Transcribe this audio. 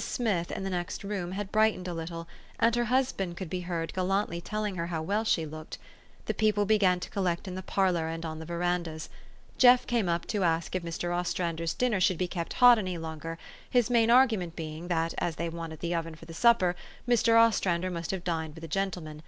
Smith, in the next room, had brightened a little ; and her husband could be heard gallantly telling her how well she looked. The people began to collect in the parlor and on the verandas. Jeff came up to ask if Mr. Ostrander 's dinner should be kept hot any longer, his main argument being, that, as they wanted the oven for the supper, Mr. Ostrander must have dined with a gentleman.